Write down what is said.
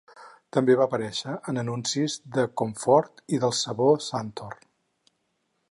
També va aparèixer en anuncis de Comfort i del sabó Santoor.